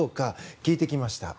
聞いてきました。